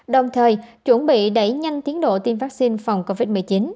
đồng thời chuẩn bị đẩy nhanh tiến độ tiêm vaccine phòng covid một mươi chín